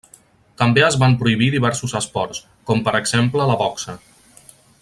També es van prohibir diversos esports, com per exemple la boxa.